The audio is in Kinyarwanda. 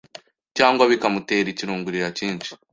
cyangwa bikamutera ikirungurira cyinshi